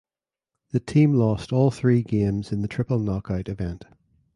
The team lost all three games in the triple knockout event.